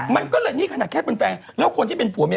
อย่าไปดูเขาเยอะเลยเครียดอะ